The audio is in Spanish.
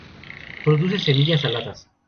Produce semillas aladas.